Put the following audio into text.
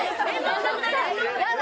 やだ。